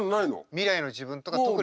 未来の自分とか特にない？